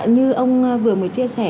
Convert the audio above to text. như ông vừa mới chia sẻ